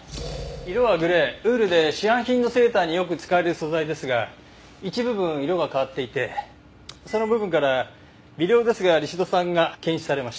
色はグレーウールで市販品のセーターによく使われる素材ですが一部分色が変わっていてその部分から微量ですがリシド酸が検出されました。